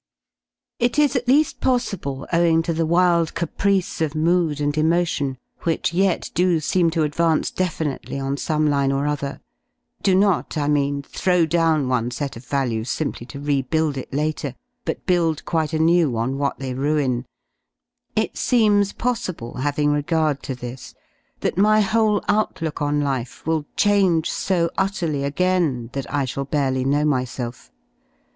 It is at lea^ possible, owing to the wild caprice of mood and emotion, which yet do seem to advance definitely on some line or other — do not, I mean, throw down one set of values simply to rebuild it later, but build quite anew on 1^ what they ruin — it seems possible, having regard to this, that my whole outlook on life will change so utterly again that I shall barely know myself.